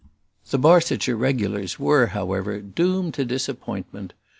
The Barsetshire regulars were, however, doomed to disappointment.